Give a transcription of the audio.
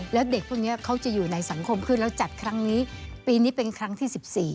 แล้วเด็กพวกนี้เขาจะอยู่ในสังคมขึ้นแล้วจัดครั้งนี้ปีนี้เป็นครั้งที่๑๔